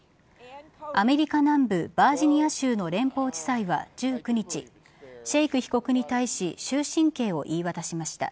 アメリカ南部バージニア州の連邦地裁は１９日シェイク被告に対し終身刑を言い渡しました。